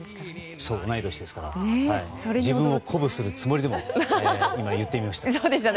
同い年ですから自分を鼓舞するつもりでも言ってみました。